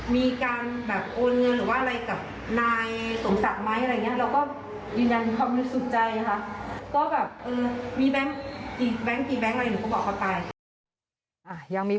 มีการแบบโอนเงินหรือว่าอะไรกับนายสมศักดิ์ไหมอะไรอย่างนี้